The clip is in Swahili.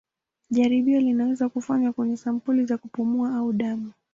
Jaribio linaweza kufanywa kwenye sampuli za kupumua au damu.